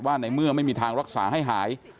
ในเมื่อไม่มีทางรักษาให้หาย